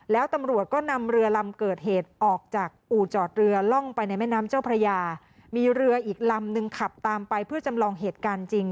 แล้วตำรวจก็นำเรือลำเกิดเหตุออกจากอู่จอดเรือล่องไปในแม่น้ำเจ้าพระยามีเรืออีกลำนึงขับตามไปเพื่อจำลองเหตุการณ์จริง